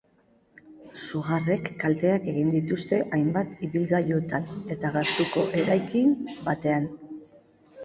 Sugarrek kalteak egin dituzte hainbat ibilgailutan eta gertuko eraikin batean.